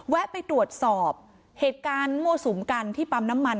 ไปตรวจสอบเหตุการณ์มั่วสุมกันที่ปั๊มน้ำมัน